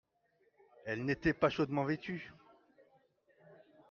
Elle n'était pas chaudement vêtue.